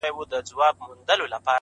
چي د غچ اخیستلو توان ولري